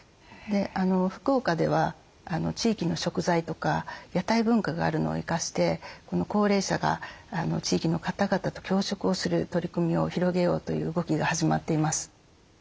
福岡では地域の食材とか屋台文化があるのを生かして高齢者が地域の方々と共食をする取り組みを広げようという動きが始まっています。